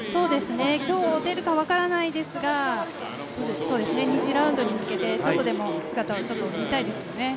今日、出るか分からないですが２次ラウンドに向けてちょっとでも姿を見たいですよね。